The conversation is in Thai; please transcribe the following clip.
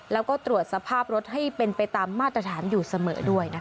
แล้วก็ตรวจสภาพรถให้เป็นไปตามมาตรฐานอยู่เสมอด้วยนะคะ